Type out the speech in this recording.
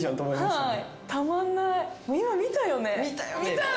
見たよね。